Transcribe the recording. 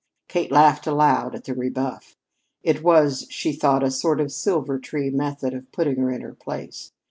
Kate laughed aloud at the rebuff. It was, she thought, a sort of Silvertree method of putting her in her place.